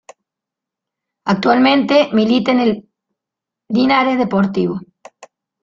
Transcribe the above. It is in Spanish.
Actualmente milita en el Linares Deportivo.